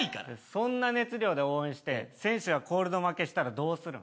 そんな熱量で応援して選手がコールド負けしたらどうするん？